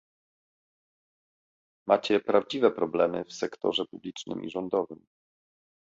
Macie prawdziwe problemy w sektorze publicznym i rządowym